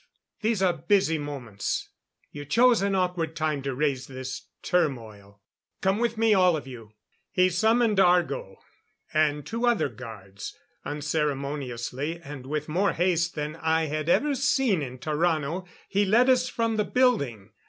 These are busy moments. You chose an awkward time to raise this turmoil. Come with me all of you." He summoned Argo and two other guards. Unceremoniously, and with more haste than I had ever seen in Tarrano, he led us from the building.